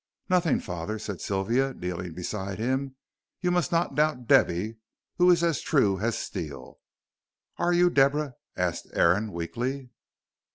"Nothing, father," said Sylvia, kneeling beside him; "you must not doubt Debby, who is as true as steel." "Are you, Deborah?" asked Aaron, weakly.